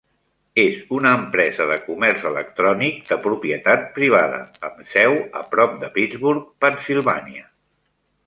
És una empresa de comerç electrònic de propietat privada amb seu a prop de Pittsburgh, Pennsilvània.